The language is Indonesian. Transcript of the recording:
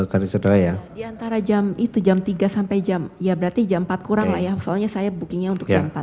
di antara jam itu jam tiga sampai jam ya berarti jam empat kurang lah ya soalnya saya bookingnya untuk jam empat